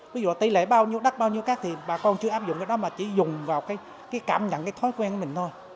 ví dụ tỷ lệ bao nhiêu đất bao nhiêu cát thì bà con chưa áp dụng cái đó mà chỉ dùng vào cái cảm nhận cái thói quen của mình thôi